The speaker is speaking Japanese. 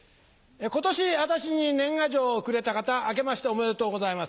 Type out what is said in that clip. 今年私に年賀状をくれた方あけましておめでとうございます。